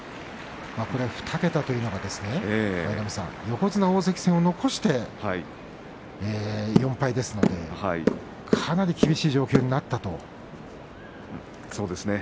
２桁というのが横綱、大関戦を残して４敗ですのでかなり、厳しい状況になったということですかね。